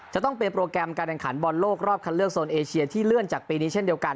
จะต้องเป็นโปรแกรมการแข่งขันบอลโลกรอบคันเลือกโซนเอเชียที่เลื่อนจากปีนี้เช่นเดียวกัน